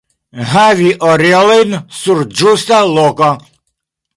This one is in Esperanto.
Havi orelojn sur ĝusta loko.